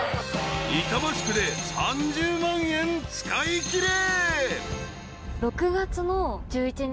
［板橋区で３０万円使いきれ］